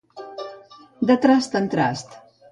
De trast en trast.